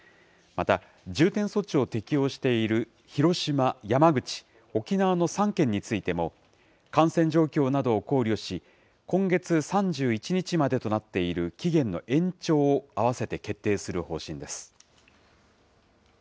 また、重点措置を適用している広島、山口、沖縄の３県についても、感染状況などを考慮し、今月３１日までとなっている期限の延長を併せて決定する方針です。